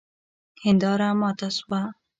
هنداره ماته سوه